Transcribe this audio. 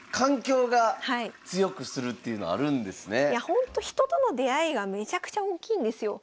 ほんと人との出会いがめちゃくちゃ大きいんですよ。